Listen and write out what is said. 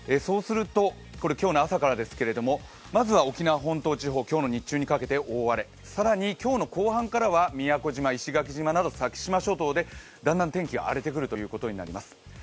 これ今日の朝からですけれどもまずは沖縄本島地方、今日の日中にかけて大荒れ、更に今日の後半からは宮古島、石垣島など先島諸島でだんだん天気が荒れてくるということになります。